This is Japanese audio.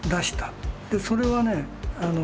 でそれはね